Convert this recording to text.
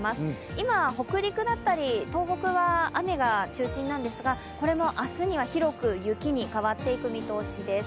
今、北陸だったり東北は雨が中心なんですがこれも明日には広く雪に変わっていく見通しです。